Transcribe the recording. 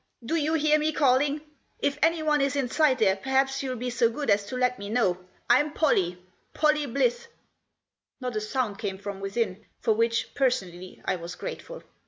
Do you hear me calling ? If anyone is inside there, perhaps you'll be so good as to let me know. I'm Pollie! Pollie Blyth!" Not a sound came from within, for which, person ally, I was grateful.